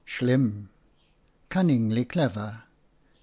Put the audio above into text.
Slim, cunningly clever.